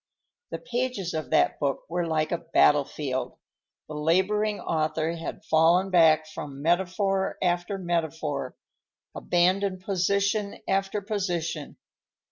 The pages of that book were like a battlefield; the laboring author had fallen back from metaphor after metaphor, abandoned position after position.